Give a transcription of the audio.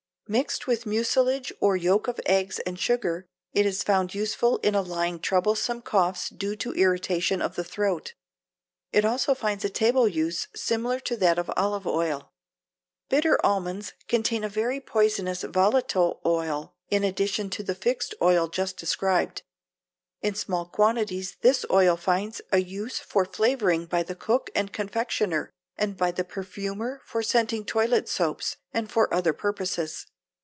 Mixed with mucilage or yolk of eggs and sugar it is found useful in allaying troublesome coughs due to irritation of the throat. It also finds a table use similar to that of olive oil. Bitter almonds contain a very poisonous volatile oil in addition to the fixed oil just described. In small quantities this oil finds a use for flavoring by the cook and confectioner, and by the perfumer for scenting toilet soaps and for other purposes.